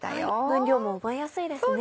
分量も覚えやすいですね。